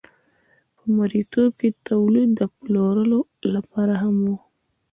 په مرئیتوب کې تولید د پلورلو لپاره هم و.